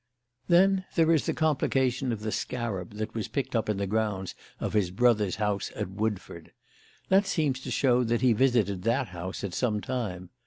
"Then there is the complication of the scarab that was picked up in the grounds of his brother's house at Woodford. That seems to show that he visited that house at some time.